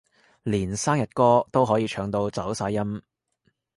連生日歌都可以唱到走晒音